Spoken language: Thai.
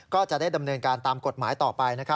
ก็จะได้ดำเนินการตามกฎหมายต่อไปนะครับ